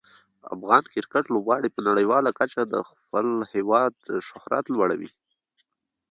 افغان کرکټ لوبغاړي په نړیواله کچه د خپل هیواد شهرت لوړوي.